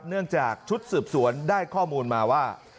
เนื่องจากชุดสืบสวนได้ข้อมูลมาว่า